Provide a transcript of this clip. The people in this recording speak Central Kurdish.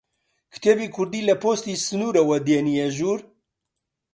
کتێبی کوردی لە پۆستی سنوورەوە دێنیە ژوور؟